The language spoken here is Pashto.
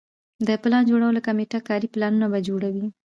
د پلان جوړولو کمیټه کاري پلانونه به جوړوي.